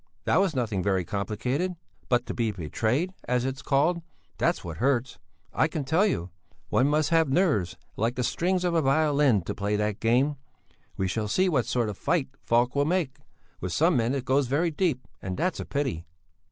"That was nothing very complicated. But to be betrayed, as it is called, that's what hurts, I can tell you! One must have nerves like the strings of a violin to play that game. We shall see what sort of a fight Falk will make; with some men it goes very deep, and that's a pity.